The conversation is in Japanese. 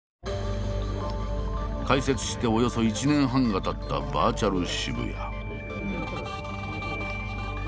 開設しておよそ１年半がたったバーチャル渋谷。